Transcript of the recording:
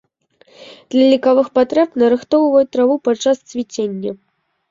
Для лекавых патрэб нарыхтоўваюць траву падчас цвіцення.